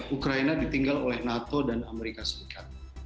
ukraina ditinggal oleh nato dan amerika serikat